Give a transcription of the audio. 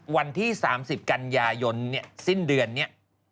วันที่๓๐กันยายนสิ้นเดือนนี้